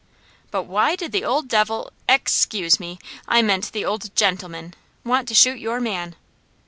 "But why did the old devil EX cuse me, I mean the old GENTLEMAN, want to shoot your man?"